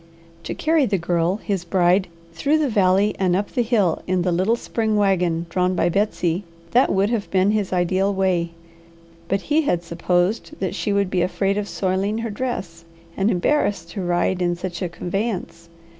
To carry the Girl, his bride, through the valley and up the hill in the little spring wagon drawn by Betsy that would have been his ideal way. But he had supposed that she would be afraid of soiling her dress, and embarrassed to ride in such a conveyance.